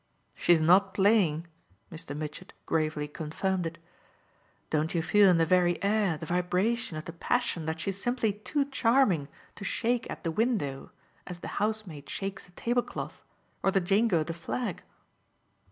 "She's not playing" Mr. Mitchett gravely confirmed it. "Don't you feel in the very air the vibration of the passion that she's simply too charming to shake at the window as the housemaid shakes the tablecloth or the jingo the flag?"